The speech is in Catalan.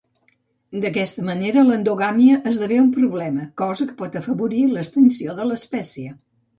D'aquesta manera l'endogàmia esdevé un problema, cosa que pot afavorir l'extinció de l'espècie.